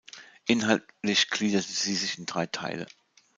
Inhaltlich gliederte sie sich in drei Teile.